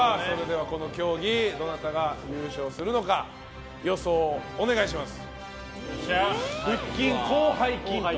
この競技どなたが優勝するのか予想をお願いします。